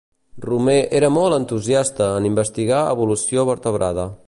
Romer era molt entusiasta en investigar evolució vertebrada.